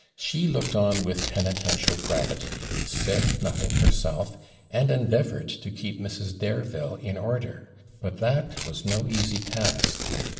She looked on with penitential gravity, said nothing herself, and endeavoured to keep Mrs. Dareville in order; but that was no easy task.